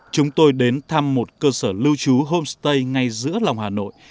chúng tôi đến thăm một cơ sở lưu trú homestay ngay giữa lòng hà nội